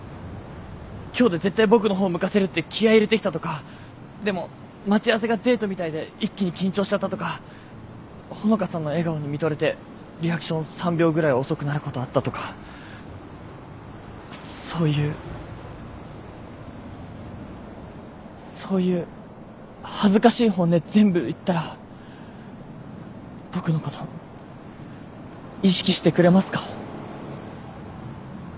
今日で絶対僕の方向かせるって気合入れてきたとかでも待ち合わせがデートみたいで一気に緊張しちゃったとか穂香さんの笑顔に見とれてリアクション３秒ぐらい遅くなることあったとかそういうそういう恥ずかしい本音全部言ったら僕のこと意識してくれますか？